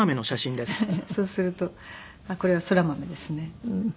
そうするとこれは空豆ですね。